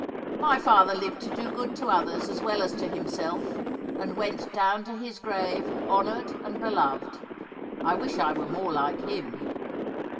' My father lived to do good to others as well as to himself, and went down to his grave honoured and beloved. I wish I were more like him.'